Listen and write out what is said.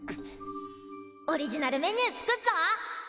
オリジナルメニュー作っぞ！